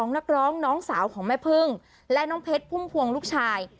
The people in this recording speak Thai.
นักร้องน้องสาวของแม่พึ่งและน้องเพชรพุ่มพวงลูกชาย